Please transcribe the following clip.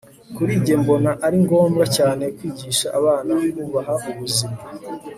kuri njye mbona ari ngombwa cyane kwigisha abana kubaha ubuzima